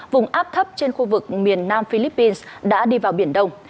vùng áp thấp trên khu vực miền nam philippines đã đi vào biển đông